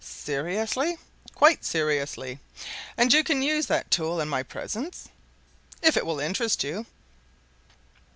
"Seriously?" "Quite seriously." "And can you use that tool in my presence?" "If it will interest you."